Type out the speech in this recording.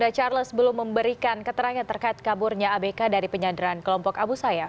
pemilih kapal tuntas belum memberikan keterangan terkait kaburnya abk dari penyandaran kelompok abu sayyaf